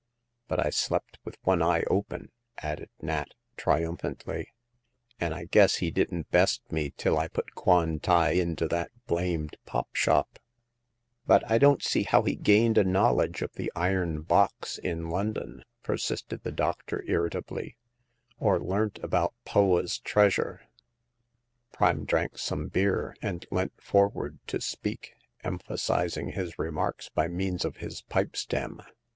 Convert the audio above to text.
But I slept with one eye open," added Nat, triumphantly, " an' I guess he didn't best me till I put Kwan tai into that blamed pop shop 1 " The Third Customer. 97 " But I don't see how he gained a knowledge of the iron box in London," persisted the doctor, irritably, or learnt about Poa's treasure." Prime drank some beer, and leant forward to speak, emphasizing his remarks by means of his pipe stem.